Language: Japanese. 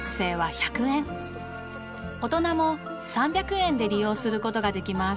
大人も３００円で利用する事ができます。